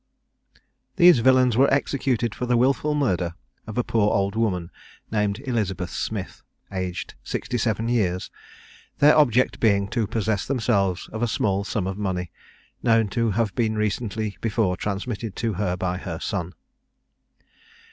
These villains were executed for the wilful murder of a poor old woman, named Elizabeth Smith, aged sixty seven years; their object being to possess themselves of a small sum of money, known to have been recently before transmitted to her by her son.